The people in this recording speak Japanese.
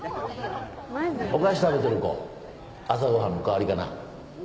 お菓子食べてる子朝ごはんの代わりかな？